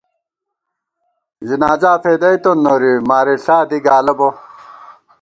ځنازا فېدَئیتون نوری مارِݪا دی گالہ بہ